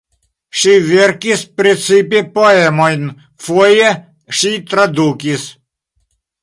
Ŝi verkis precipe poemojn, foje ŝi tradukis.